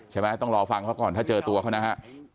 ใช่ไหมต้องรอฟังเขาก่อนถ้าเจอตัวเขานะฮะ